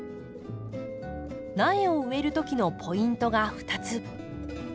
苗を植える時のポイントが２つ。